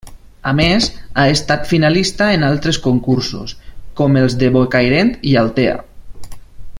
A més, ha estat finalista en altres concursos, com els de Bocairent i Altea.